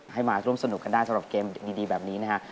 ให้มาร่วมสนุกกันได้สำหรับเกมดีแบบนี้นะฮะ